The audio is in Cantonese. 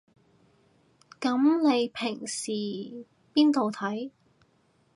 噉你平時邊度睇